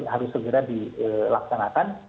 harus segera dilaksanakan